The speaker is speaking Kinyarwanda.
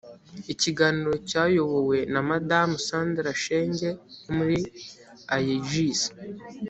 ikiganiro cyayobowe na madamu sandra shenge wo muri aegis